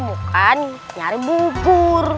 bukan nyari bubur